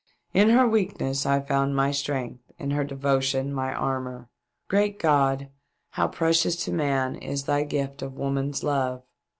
In her weakness I found my strength ; in her devotion my armour. Great God ! How precious to man is Thy gift of woman's love!